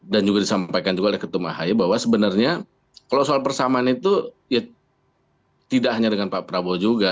dan juga disampaikan juga oleh ketum ahaya bahwa sebenarnya kalau soal persamaan itu ya tidak hanya dengan pak prabowo juga